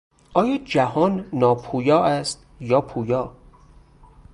آیا جهان ناپویا است یا پویا؟